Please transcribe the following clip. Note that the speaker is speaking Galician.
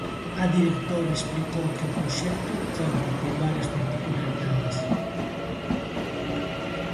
A directora explicou que o proxecto conta con varias particularidades.